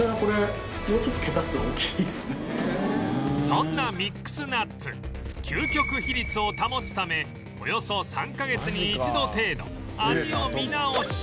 そんなミックスナッツ究極比率を保つためおよそ３カ月に一度程度味を見直し